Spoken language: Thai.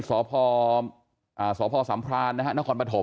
สศสัมพลาชนะค่ะ